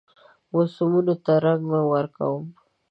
موسمونو ته رنګ ورکوم